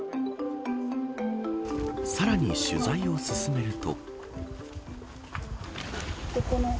さらに取材を進めると。